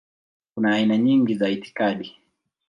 Kuna aina nyingi za itikadi.